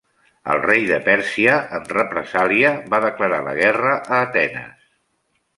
El rei de Pèrsia, en represàlia, va declarar la guerra a Atenes.